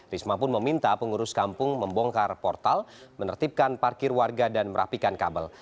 risma pun meminta pengurus kampung membongkar portal menertibkan parkir warga dan merapikan kabel